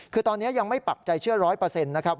คือตอนนี้ยังไม่ปรับใจเชื่อ๑๐๐นะครับ